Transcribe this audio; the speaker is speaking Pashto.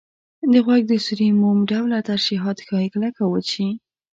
د غوږ د سوري موم ډوله ترشحات ښایي کلک او وچ شي.